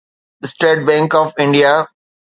state bank of India